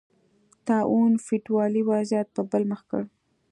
طاعون فیوډالي وضعیت په بل مخ کړ.